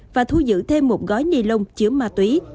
và thu giữ thêm một gói ni lông chứa ma túy